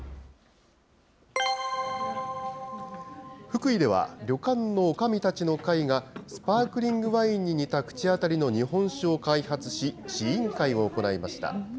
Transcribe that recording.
福井では、旅館のおかみたちの会が、スパークリングワインに似た口当たりの日本酒を開発し、試飲会を行いました。